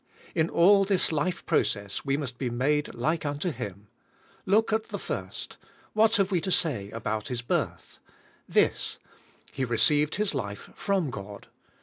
In all this life process we must be made like unto Him. Look at the first. What have we to say about His birth? This: He re ceived His \\iQ Jrom God.